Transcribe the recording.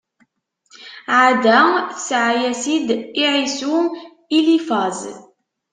Ɛada tesɛa-yas-d i Ɛisu: Ilifaz.